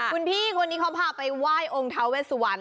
คุณพี่คนนี้เขาพาไปไหว้องค์ท้าเวสวรรณ